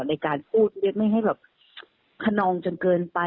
ในการพูดเรียกไม่ให้แบบขนองจนเกินไป